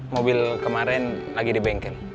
mobil kemarin lagi di bengkel